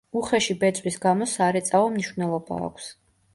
უხეში ბეწვის გამო სარეწაო მნიშვნელობა აქვს.